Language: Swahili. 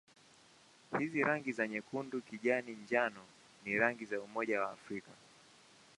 Hizi rangi za nyekundu-kijani-njano ni rangi za Umoja wa Afrika.